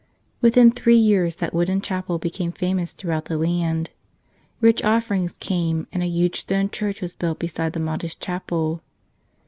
Within three years that wooden chapel became famous throughout the land. Rich offerings came, and a huge stone church was built beside the modest chapel.